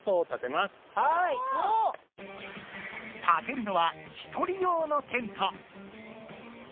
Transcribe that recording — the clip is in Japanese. たてるのは１人用のテント。